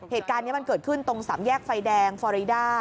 เหตุการณ์นี้มันเกิดขึ้นตรงสามแยกไฟแดงฟอริดา